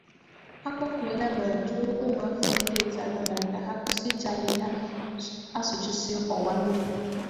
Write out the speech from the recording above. a kpọkuola ma dụọ ụmụafọ steeti Anambra ka ha kwụsị iji ahịhịa asụchisi ọwà mmiri